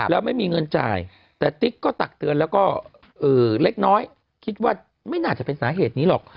แล้วไม่มีเงินจ่ายแต่ติ๊กก็ตักเตือนแล้วก็เล็กน้อยคิดว่าไม่น่าจะเป็นสาเหตุนี้หรอก